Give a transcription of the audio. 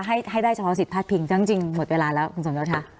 ให้ได้เฉพาะสิทธิพาดพิงซึ่งจริงหมดเวลาแล้วคุณสมยศค่ะ